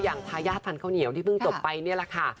อย่างทายาทฟันข้าวเหนียวที่เพิ่งตกไปนี่แหละค่ะ